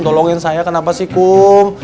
tolongin saya kenapa sih kum